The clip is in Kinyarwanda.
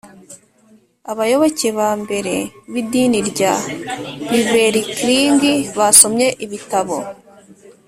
Abayoboke ba mbere b’idini rya Bibelkring basomye ibitabo